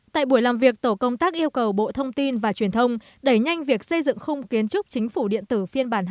tại buổi làm việc tổ công tác yêu cầu bộ thông tin và truyền thông đẩy nhanh việc xây dựng khung kiến trúc chính phủ điện tử phiên bản hai